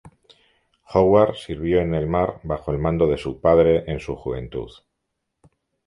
Howard sirvió en el mar bajo el mando de su padre en su juventud.